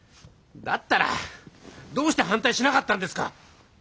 だったらどうして反対しなかったんですか！